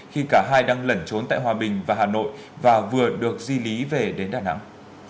khi cả hai đang lẩn trốn tại hòa bình và hà nội và vừa được di lý về đến đà nẵng